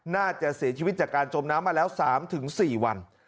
น่าจะเสียชีวิตจากการจมน้ำมาแล้ว๓๔วัน